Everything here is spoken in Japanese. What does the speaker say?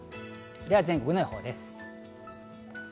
では全国の予報です。